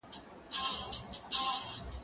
زه له سهاره قلم استعمالوموم!؟